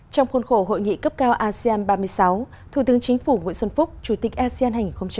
trong khuôn khổ hội nghị cấp cao asean ba mươi sáu thủ tướng chính phủ nguyễn xuân phúc chủ tịch asean hai nghìn hai mươi